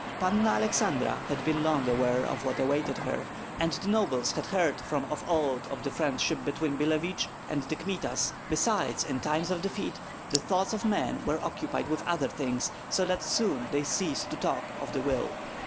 Panna Aleksandra had been long aware of what awaited her, and the nobles had heard from of old of the friendship between Billevich and the Kmitas; besides, in time of defeat the thoughts of men were occupied with other things, so that soon they ceased to talk of the will.